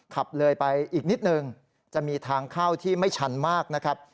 ขับเลยไปอีกนิดนึงจะมีทางเข้าที่ไม่ชันมากนะครับ